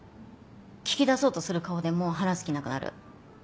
聞き出そうとする顔でもう話す気なくなる。